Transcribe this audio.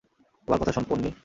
আমার কথা শোন, পোন্নি।